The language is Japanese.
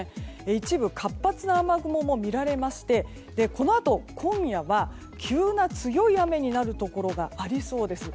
一部活発な雨雲も見られましてこのあと今夜は急な強い雨になるところがありそうです。